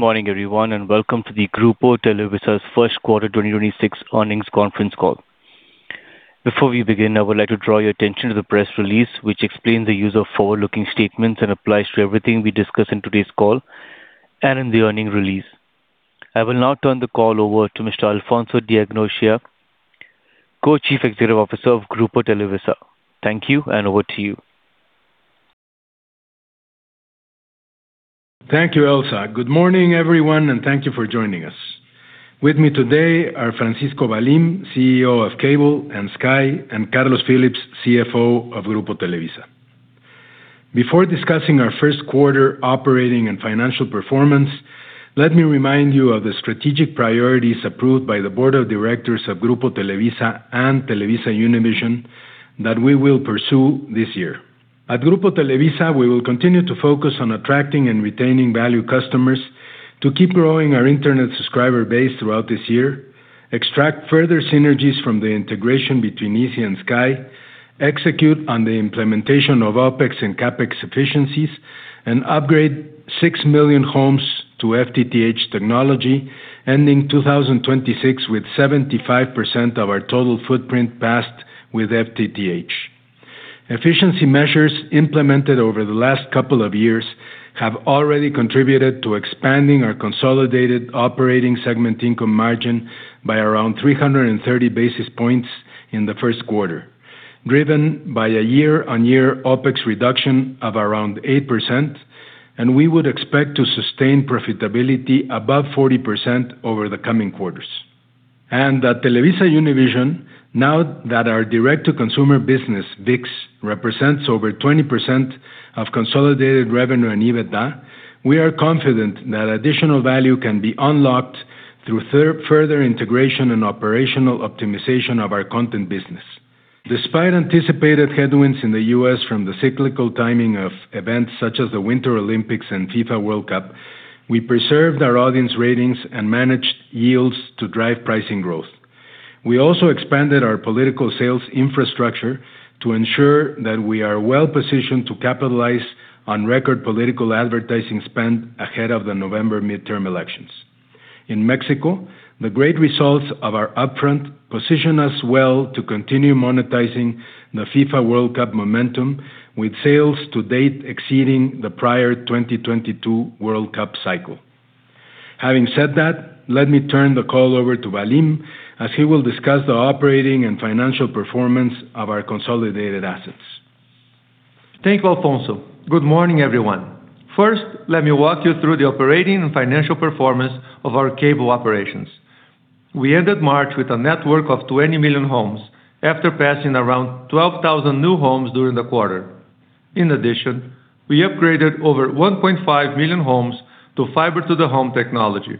Good morning, everyone, and welcome to the Grupo Televisa's first quarter 2026 earnings conference call. Before we begin, I would like to draw your attention to the press release, which explains the use of forward-looking statements and applies to everything we discuss in today's call and in the earnings release. I will now turn the call over to Mr. Alfonso de Angoitia, Co-Chief Executive Officer of Grupo Televisa. Thank you, and over to you. Thank you, Elsa. Good morning, everyone, thank you for joining us. With me today are Francisco Valim, CEO of Cable and Sky, and Carlos Phillips, CFO of Grupo Televisa. Before discussing our first quarter operating and financial performance, let me remind you of the strategic priorities approved by the Board of Directors of Grupo Televisa and TelevisaUnivision that we will pursue this year. At Grupo Televisa, we will continue to focus on attracting and retaining value customers to keep growing our internet subscriber base throughout this year, extract further synergies from the integration between Izzi and Sky, execute on the implementation of OpEx and CapEx efficiencies, and upgrade 6 million homes to FTTH technology, ending 2026 with 75% of our total footprint passed with FTTH. Efficiency measures implemented over the last couple of years have already contributed to expanding our consolidated operating segment income margin by around 330 basis points in the first quarter, driven by a year-on-year OpEx reduction of around 8%, and we would expect to sustain profitability above 40% over the coming quarters. At TelevisaUnivision, now that our direct-to-consumer business, ViX, represents over 20% of consolidated revenue and EBITDA, we are confident that additional value can be unlocked through further integration and operational optimization of our content business. Despite anticipated headwinds in the U.S. from the cyclical timing of events such as the Winter Olympics and FIFA World Cup, we preserved our audience ratings and managed yields to drive pricing growth. We also expanded our political sales infrastructure to ensure that we are well-positioned to capitalize on record political advertising spend ahead of the November midterm elections. In Mexico, the great results of our upfront position us well to continue monetizing the FIFA World Cup momentum with sales to date exceeding the prior 2022 World Cup cycle. Having said that, let me turn the call over to Valim, as he will discuss the operating and financial performance of our consolidated assets. Thank you, Alfonso. Good morning, everyone. Let me walk you through the operating and financial performance of our cable operations. We ended March with a network of 20 million homes after passing around 12,000 new homes during the quarter. In addition, we upgraded over 1.5 million homes to fiber-to-the-home technology,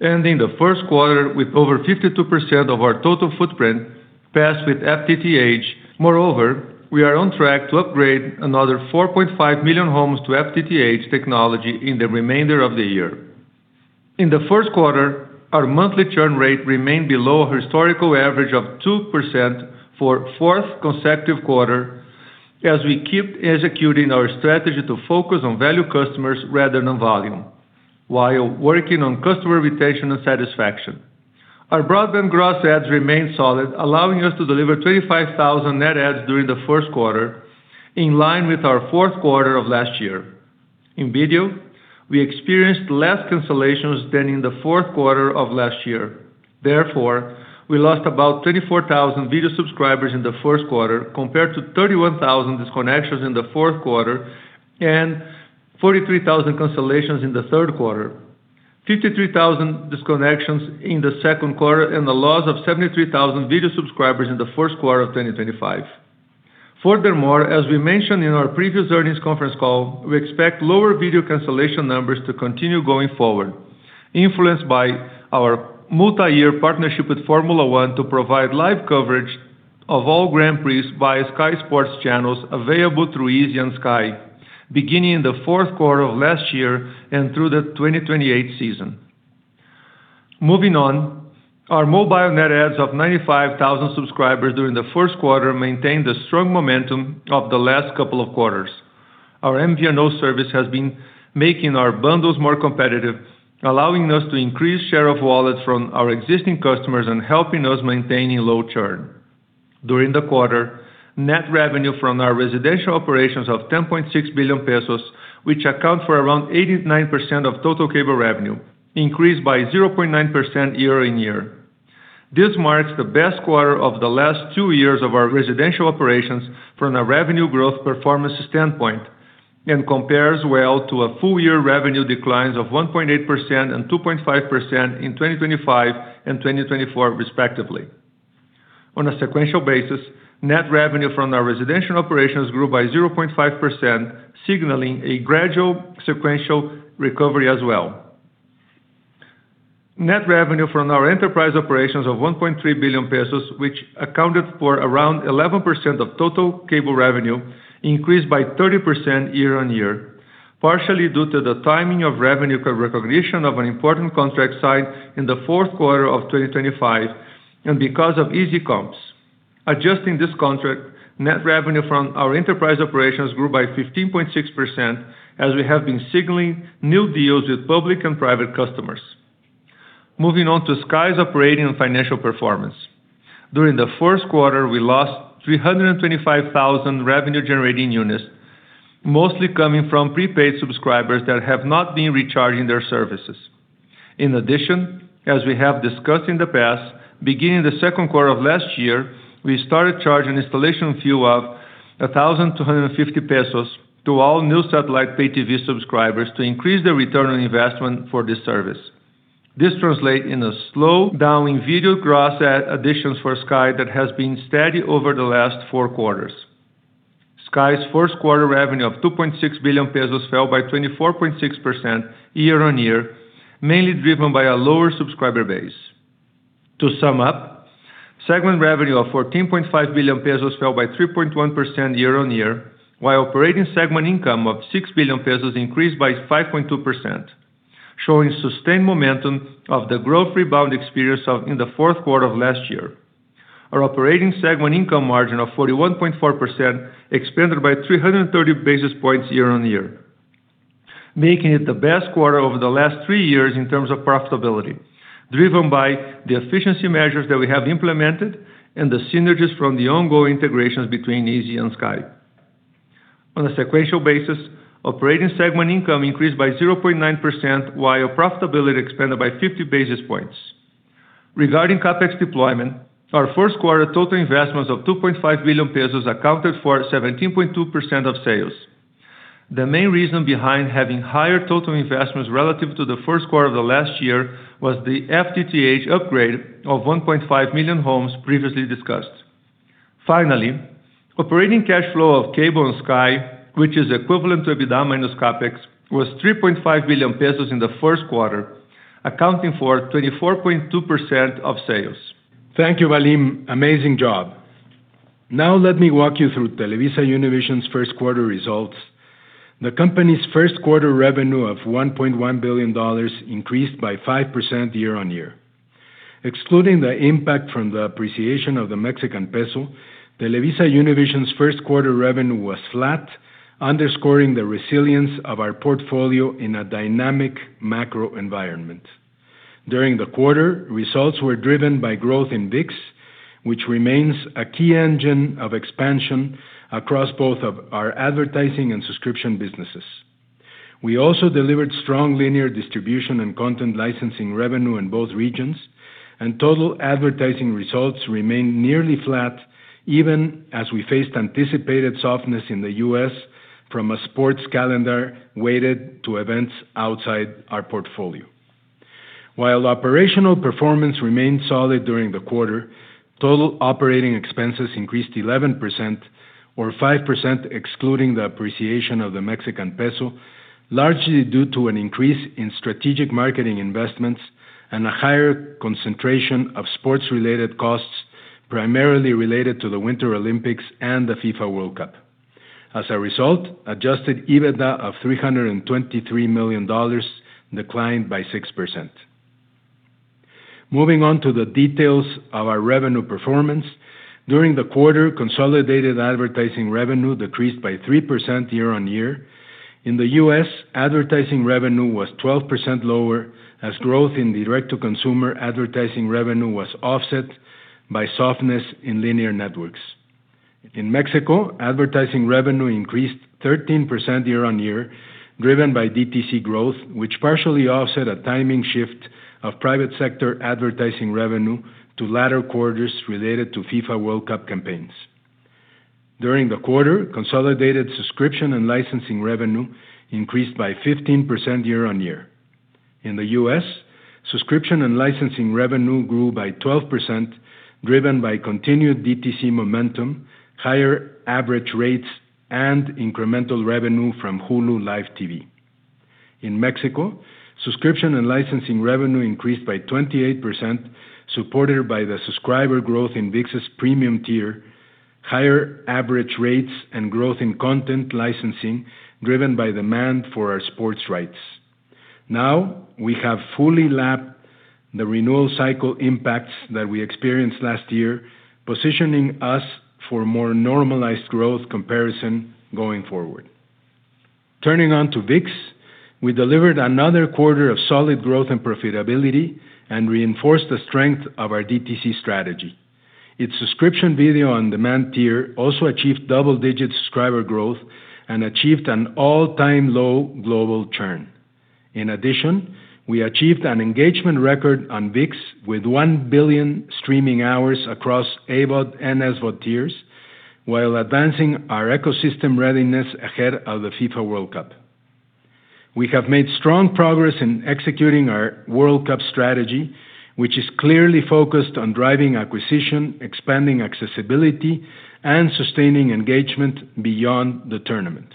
ending the first quarter with over 52% of our total footprint passed with FTTH. We are on track to upgrade another 4.5 million homes to FTTH technology in the remainder of the year. In the first quarter, our monthly churn rate remained below historical average of 2% for fourth consecutive quarter as we keep executing our strategy to focus on value customers rather than volume, while working on customer retention and satisfaction. Our broadband gross adds remained solid, allowing us to deliver 25,000 net adds during the first quarter, in line with our fourth quarter of last year. In video, we experienced less cancellations than in the fourth quarter of last year. Therefore, we lost about 34,000 video subscribers in the first quarter compared to 31,000 disconnections in the fourth quarter and 43,000 cancellations in the third quarter, 53,000 disconnections in the second quarter and the loss of 73,000 video subscribers in the first quarter of 2025. Furthermore, as we mentioned in our previous earnings conference call, we expect lower video cancellation numbers to continue going forward, influenced by our multi-year partnership with Formula 1 to provide live coverage of all Grand Prix by Sky Sports channels available through Izzi and Sky, beginning in the fourth quarter of last year and through the 2028 season. Moving on, our mobile net adds of 95,000 subscribers during the first quarter maintained the strong momentum of the last couple of quarters. Our MVNO service has been making our bundles more competitive, allowing us to increase share of wallet from our existing customers and helping us maintaining low churn. During the quarter, net revenue from our residential operations of 10.6 billion pesos, which account for around 89% of total cable revenue, increased by 0.9% year-on-year. This marks the best quarter of the last two years of our residential operations from a revenue growth performance standpoint and compares well to a full year revenue declines of 1.8% and 2.5% in 2025 and 2024 respectively. On a sequential basis, net revenue from our residential operations grew by 0.5%, signaling a gradual sequential recovery as well. Net revenue from our enterprise operations of 1.3 billion pesos, which accounted for around 11% of total cable revenue, increased by 30% year-on-year, partially due to the timing of revenue recognition of an important contract signed in the fourth quarter of 2025 and because of easy comps. Adjusting this contract, net revenue from our enterprise operations grew by 15.6% as we have been signaling new deals with public and private customers. Moving on to Sky's operating and financial performance. During the first quarter, we lost 325,000 revenue-generating units, mostly coming from prepaid subscribers that have not been recharging their services. In addition, as we have discussed in the past, beginning the second quarter of last year, we started charging installation fee of 1,250 pesos to all new satellite pay TV subscribers to increase the return on investment for this service. This translate in a slowdown in video gross add additions for Sky that has been steady over the last four quarters. Sky's first quarter revenue of 2.6 billion pesos fell by 24.6% year-on-year, mainly driven by a lower subscriber base. To sum up, segment revenue of 14.5 billion pesos fell by 3.1% year-on-year, while operating segment income of 6 billion pesos increased by 5.2%, showing sustained momentum of the growth rebound experience in the fourth quarter of last year. Our operating segment income margin of 41.4% expanded by 330 basis points year-on-year, making it the best quarter over the last three years in terms of profitability, driven by the efficiency measures that we have implemented and the synergies from the ongoing integrations between Izzi and Sky. On a sequential basis, operating segment income increased by 0.9%, while profitability expanded by 50 basis points. Regarding CapEx deployment, our first quarter total investments of 2.5 billion pesos accounted for 17.2% of sales. The main reason behind having higher total investments relative to the first quarter of the last year was the FTTH upgrade of 1.5 million homes previously discussed. Finally, operating cash flow of Cable and Sky, which is equivalent to EBITDA minus CapEx, was 3.5 billion pesos in the first quarter, accounting for 24.2% of sales. Thank you, Valim. Amazing job. Let me walk you through TelevisaUnivision's first quarter results. The company's first-quarter revenue of $1.1 billion increased by 5% year-on-year. Excluding the impact from the appreciation of the Mexican peso, TelevisaUnivision's first-quarter revenue was flat, underscoring the resilience of our portfolio in a dynamic macro environment. During the quarter, results were driven by growth in ViX, which remains a key engine of expansion across both of our advertising and subscription businesses. We also delivered strong linear distribution and content licensing revenue in both regions, total advertising results remained nearly flat even as we faced anticipated softness in the U.S. from a sports calendar weighted to events outside our portfolio. While operational performance remained solid during the quarter, total operating expenses increased 11% or 5% excluding the appreciation of the Mexican peso, largely due to an increase in strategic marketing investments and a higher concentration of sports-related costs, primarily related to the Winter Olympics and the FIFA World Cup. As a result, adjusted EBITDA of $323 million declined by 6%. Moving on to the details of our revenue performance. During the quarter, consolidated advertising revenue decreased by 3% year-on-year. In the U.S., advertising revenue was 12% lower as growth in direct-to-consumer advertising revenue was offset by softness in linear networks. In Mexico, advertising revenue increased 13% year-on-year, driven by DTC growth, which partially offset a timing shift of private sector advertising revenue to latter quarters related to FIFA World Cup campaigns. During the quarter, consolidated subscription and licensing revenue increased by 15% year-on-year. In the U.S., subscription and licensing revenue grew by 12%, driven by continued DTC momentum, higher average rates, and incremental revenue from Hulu + Live TV. In Mexico, subscription and licensing revenue increased by 28%, supported by the subscriber growth in ViX's premium tier, higher average rates, and growth in content licensing driven by demand for our sports rights. We have fully lapped the renewal cycle impacts that we experienced last year, positioning us for more normalized growth comparison going forward. Turning to ViX, we delivered another quarter of solid growth and profitability and reinforced the strength of our DTC strategy. Its subscription video on-demand tier also achieved double-digit subscriber growth and achieved an all-time low global churn. In addition, we achieved an engagement record on ViX with 1 billion streaming hours across AVOD and SVOD tiers while advancing our ecosystem readiness ahead of the FIFA World Cup. We have made strong progress in executing our World Cup strategy, which is clearly focused on driving acquisition, expanding accessibility, and sustaining engagement beyond the tournament.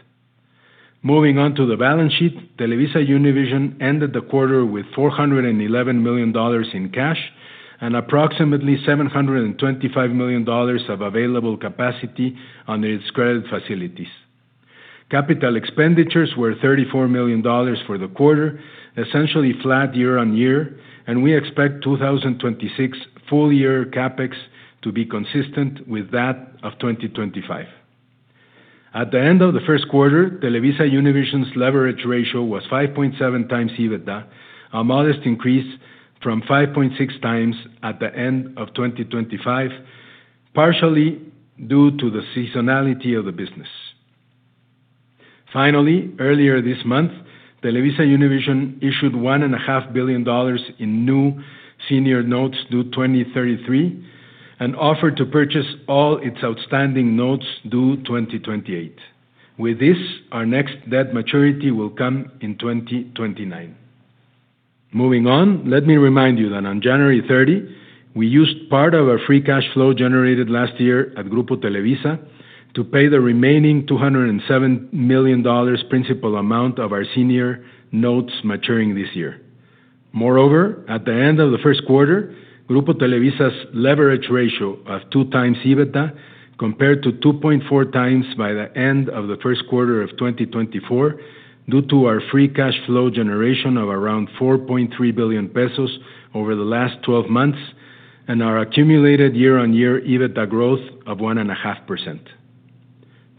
Moving on to the balance sheet, TelevisaUnivision ended the quarter with $411 million in cash and approximately $725 million of available capacity under its credit facilities. Capital expenditures were $34 million for the quarter, essentially flat year-on-year, and we expect 2026 full year CapEx to be consistent with that of 2025. At the end of the first quarter, TelevisaUnivision's leverage ratio was 5.7x EBITDA, a modest increase from 5.6x at the end of 2025, partially due to the seasonality of the business. Finally, earlier this month, TelevisaUnivision issued $1.5 billion in new senior notes due 2033 and offered to purchase all its outstanding notes due 2028. With this, our next debt maturity will come in 2029. Moving on, let me remind you that on January 30, we used part of our free cash flow generated last year at Grupo Televisa to pay the remaining $207 million principal amount of our senior notes maturing this year. Moreover, at the end of the first quarter, Grupo Televisa's leverage ratio of 2x EBITDA compared to 2.4x by the end of the first quarter of 2024 due to our free cash flow generation of around 4.3 billion pesos over the last 12 months and our accumulated year-on-year EBITDA growth of 1.5%.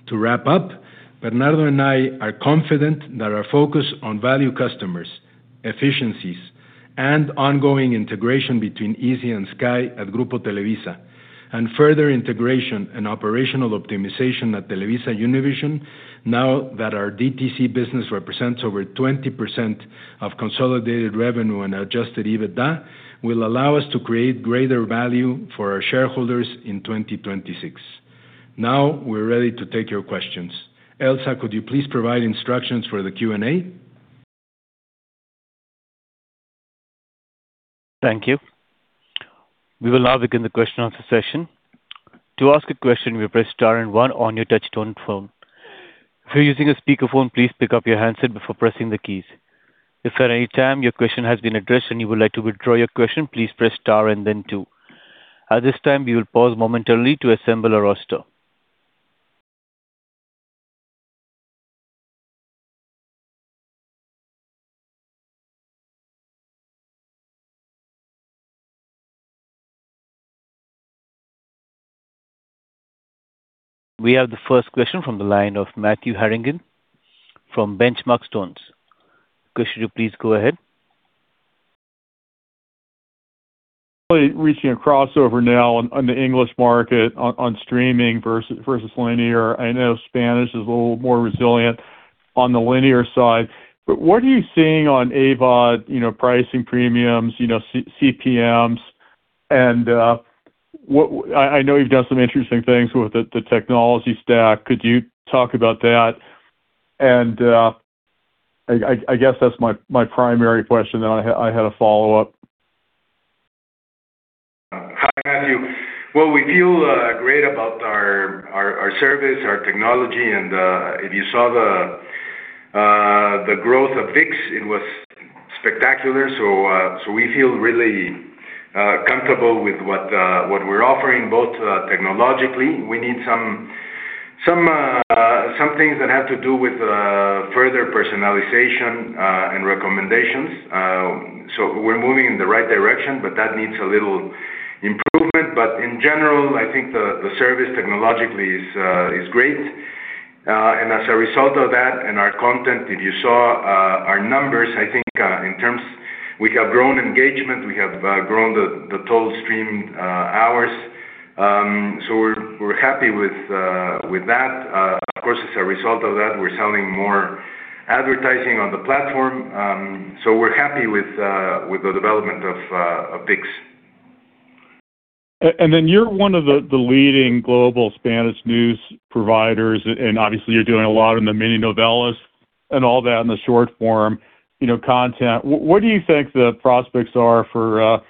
To wrap up, Bernardo and I are confident that our focus on value customers, efficiencies and ongoing integration between Izzi and Sky at Grupo Televisa and further integration and operational optimization at TelevisaUnivision, now that our DTC business represents over 20% of consolidated revenue and adjusted EBITDA, will allow us to create greater value for our shareholders in 2026. We're ready to take your questions. Elsa, could you please provide instructions for the Q&A? Thank you. We will now begin the question-and-answer session. To ask a question, press star and one on your touch-tone phone. If you're using a speaker phone, please pick up your handset before pressing the keys. If at any time your question had been addressed and you would like to withdraw your question, please press star, and then two. At this time, we will pause momentarily to assemble our roster. We have the first question from the line of Matthew Harrigan from Benchmark StoneX. Could you please go ahead? Reaching a crossover now on the English market on streaming versus linear. I know Spanish is a little more resilient on the linear side. What are you seeing on AVOD, you know, pricing premiums, you know, CPMs? I know you've done some interesting things with the technology stack. Could you talk about that? I guess that's my primary question. I had a follow-up. Hi, Matthew. We feel great about our service, our technology. If you saw the growth of ViX, it was spectacular. We feel really comfortable with what we're offering, both technologically. We need some things that have to do with further personalization and recommendations. We're moving in the right direction, but that needs a little improvement. In general, I think the service technologically is great. As a result of that and our content, if you saw our numbers, I think in terms we have grown engagement, we have grown the total stream hours. We're happy with that. Of course, as a result of that, we're selling more advertising on the platform. We're happy with the development of ViX. You're one of the leading global Spanish news providers. Obviously you're doing a lot in the mini novellas and all that in the short form, you know, content. What do you think the prospects are for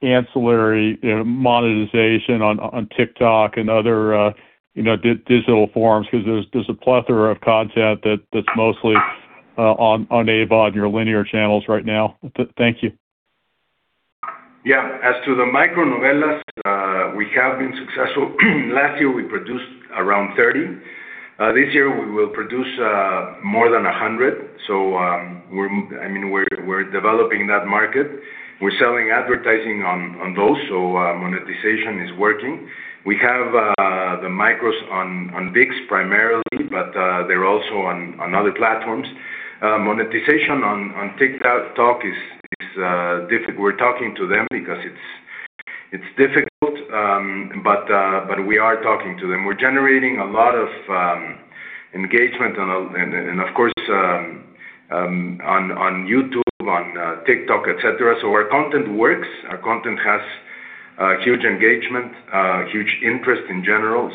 ancillary, you know, monetization on TikTok and other, you know, digital forums? 'Cause there's a plethora of content that's mostly on AVOD and your linear channels right now. Thank you. Yeah. As to the micro novellas, we have been successful. Last year we produced around 30. This year we will produce more than 100. I mean, we're developing that market. We're selling advertising on those, monetization is working. We have the micros on ViX primarily, they're also on other platforms. Monetization on TikTok is difficult. We're talking to them because it's difficult. We are talking to them. We're generating a lot of engagement and of course on YouTube, on TikTok, et cetera. Our content works. Our content has huge engagement, huge interest in general.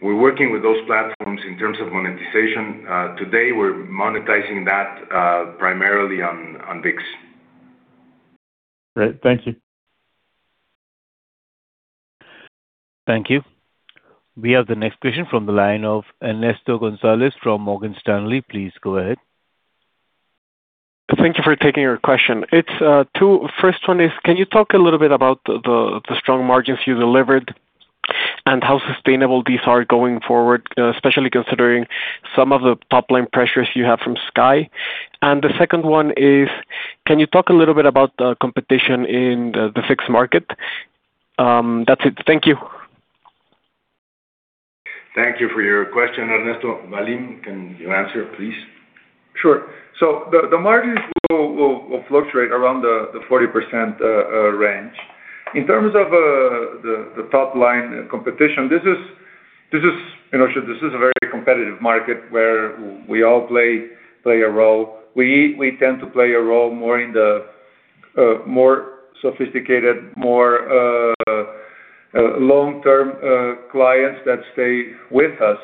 We're working with those platforms in terms of monetization. Today, we're monetizing that, primarily on ViX. Right. Thank you. Thank you. We have the next question from the line of Ernesto González from Morgan Stanley. Please go ahead. Thank you for taking our question. It's two. First one is, can you talk a little bit about the strong margins you delivered and how sustainable these are going forward, especially considering some of the top-line pressures you have from Sky? The second one is, can you talk a little bit about the competition in the fixed market? That's it. Thank you. Thank you for your question, Ernesto. Valim, can you answer, please? Sure. The margins will fluctuate around the 40% range. In terms of the top line competition, this is, you know, this is a very competitive market where we all play a role. We tend to play a role more in the more sophisticated, more long-term clients that stay with us.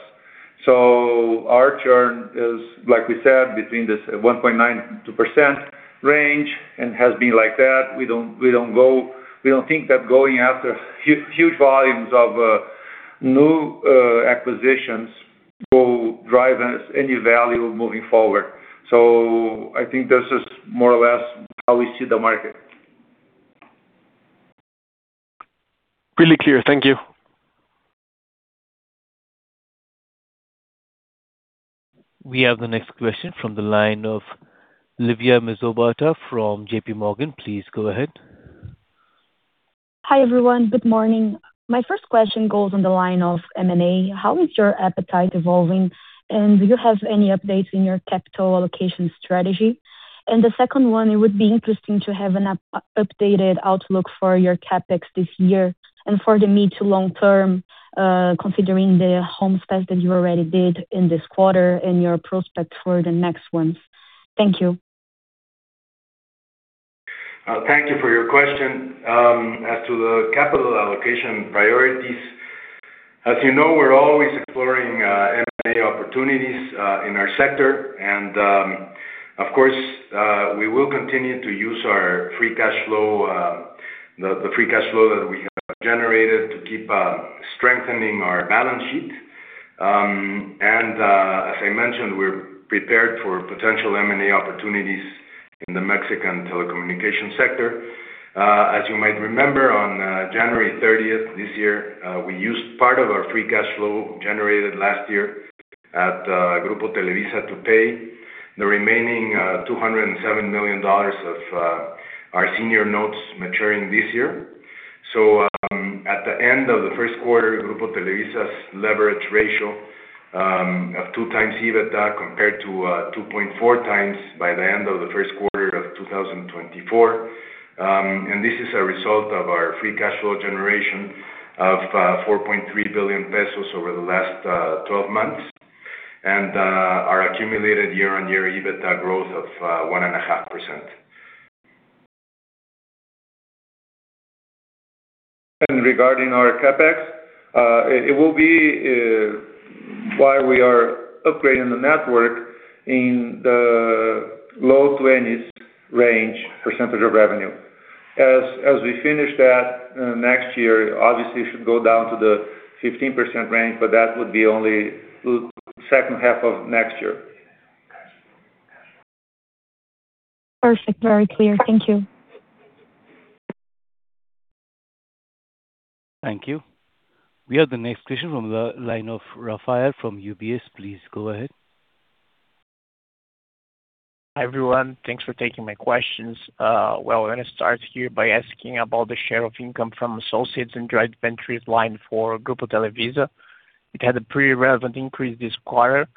Our churn is, like we said, between this 1.92% range and has been like that. We don't think that going after huge volumes of new acquisitions will drive us any value moving forward. I think this is more or less how we see the market. Really clear. Thank you. We have the next question from the line of Livea Mizobata from JPMorgan. Please go ahead. Hi, everyone. Good morning. My first question goes on the line of M&A. How is your appetite evolving, and do you have any updates in your capital allocation strategy? The second one, it would be interesting to have an updated outlook for your CapEx this year and for the mid to long term, considering the homes passed that you already did in this quarter and your prospect for the next ones. Thank you. Thank you for your question. As to the capital allocation priorities, as you know, we're always exploring M&A opportunities in our sector. Of course, we will continue to use our free cash flow, the free cash flow that we have generated to keep strengthening our balance sheet. As I mentioned, we're prepared for potential M&A opportunities in the Mexican telecommunication sector. As you might remember, on January 30th this year, we used part of our free cash flow generated last year at Grupo Televisa to pay the remaining $207 million of our senior notes maturing this year. At the end of the first quarter, Grupo Televisa's leverage ratio of 2x EBITDA compared to 2.4x by the end of the first quarter of 2024. This is a result of our free cash flow generation of 4.3 billion pesos over the last 12 months and our accumulated year-on-year EBITDA growth of 1.5%. Regarding our CapEx, it will be while we are upgrading the network in the low 20%s range percentage of revenue. As we finish that next year, obviously it should go down to the 15% range, that would be only second half of next year. Perfect. Very clear. Thank you. Thank you. We have the next question from the line of [Rafael] from UBS. Please go ahead. Hi, everyone. Thanks for taking my questions. Well, I'm gonna start here by asking about the share of income from associates and joint ventures line for Grupo Televisa. It had a pretty relevant increase this quarter.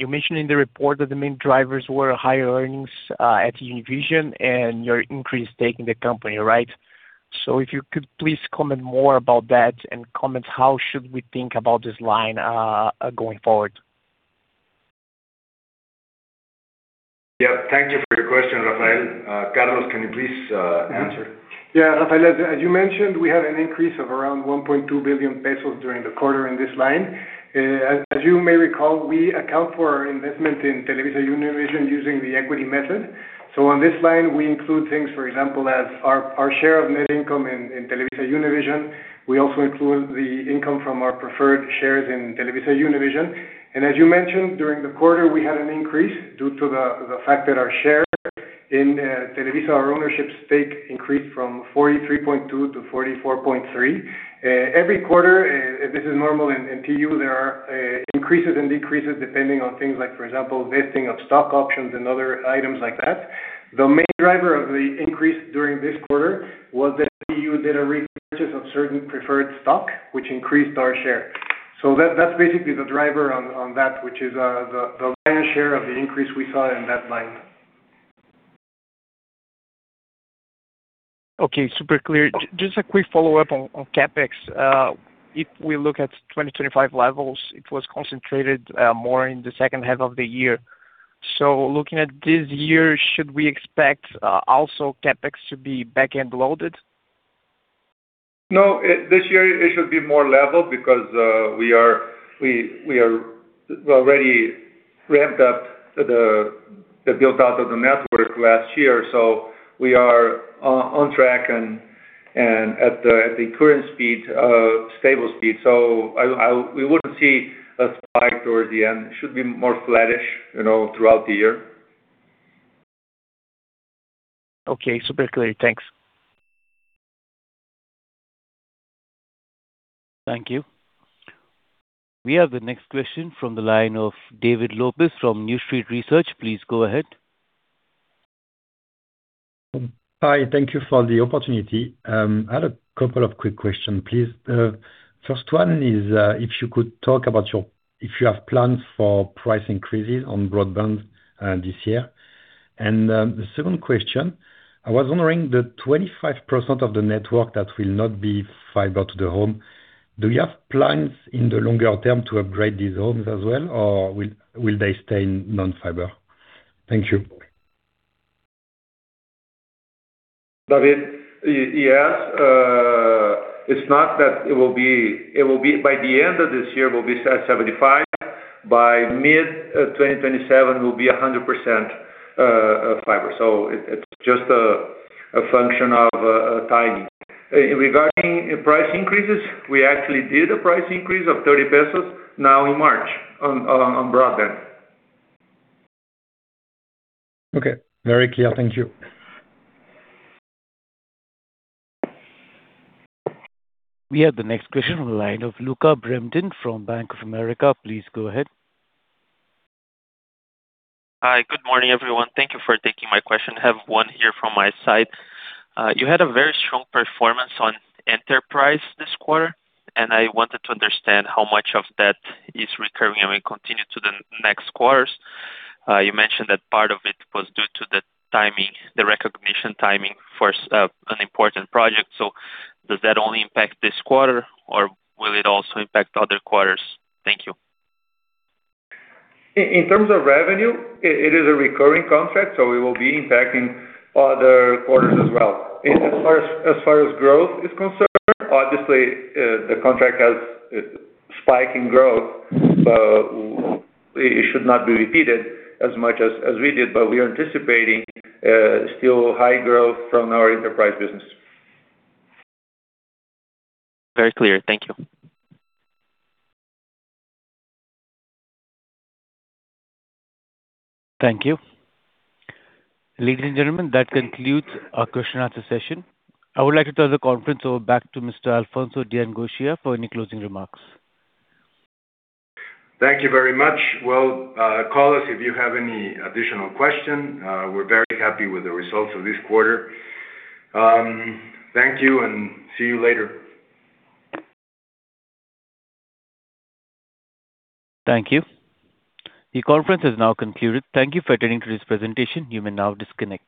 You mentioned in the report that the main drivers were higher earnings at Univision and your increased stake in the company, right? If you could please comment more about that and comment how should we think about this line going forward. Yeah. Thank you for your question, Rafael. Carlos, can you please answer? Yeah, [Rafael], as you mentioned, we had an increase of around 1.2 billion pesos during the quarter in this line. As you may recall, we account for our investment in TelevisaUnivision using the equity method. On this line, we include things, for example, as our share of net income in TelevisaUnivision. We also include the income from our preferred shares in TelevisaUnivision. As you mentioned, during the quarter, we had an increase due to the fact that our share in Televisa, our ownership stake increased from 43.2% to 44.3%. Every quarter, this is normal in TU, there are increases and decreases depending on things like, for example, vesting of stock options and other items like that. The main driver of the increase during this quarter was that TU did a repurchase of certain preferred stock, which increased our share. That's basically the driver on that, which is the lion's share of the increase we saw in that line. Okay, super clear. Just a quick follow-up on CapEx. If we look at 2025 levels, it was concentrated more in the second half of the year. Looking at this year, should we expect also CapEx to be back-end loaded? No. This year it should be more level because we are already ramped up the build out of the network last year, so we are on track and at the current speed, stable speed. We wouldn't see a spike towards the end. It should be more flattish, you know, throughout the year. Okay. Super clear. Thanks. Thank you. We have the next question from the line of David Lopes from New Street Research. Please go ahead. Hi. Thank you for the opportunity. I had a couple of quick question, please. First one is, if you could talk about if you have plans for price increases on broadband, this year. The second question, I was wondering, the 25% of the network that will not be fiber to the home, do you have plans in the longer term to upgrade these homes as well, or will they stay in non-fiber? Thank you. David, yes. It's not that. It will be by the end of this year, we'll be at 75%. By mid-2027, we'll be 100% fiber. It's just a function of timing. Regarding price increases, we actually did a price increase of 30 pesos now in March on broadband. Okay. Very clear. Thank you. We have the next question on the line of Lucca Brendim from Bank of America. Please go ahead. Hi. Good morning, everyone. Thank you for taking my question. I have one here from my side. You had a very strong performance on enterprise this quarter, and I wanted to understand how much of that is recurring and will continue to the next quarters. You mentioned that part of it was due to the timing, the recognition timing for an important project. Does that only impact this quarter, or will it also impact other quarters? Thank you. In terms of revenue, it is a recurring contract. It will be impacting other quarters as well. As far as growth is concerned, obviously, the contract has a spike in growth. It should not be repeated as much as we did. We are anticipating still high growth from our enterprise business. Very clear. Thank you. Thank you. Ladies and gentlemen, that concludes our question-answer session. I would like to turn the conference over back to Mr. Alfonso de Angoitia for any closing remarks. Thank you very much. Call us if you have any additional question. We're very happy with the results of this quarter. Thank you, and see you later. Thank you. The conference is now concluded. Thank you for attending today's presentation. You may now disconnect.